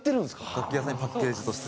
楽器屋さんにパッケージとして。